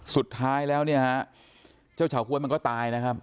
สุดท้ายแล้วเนี่ยฮะเจ้าเฉาก๊วยมันก็ตายนะครับ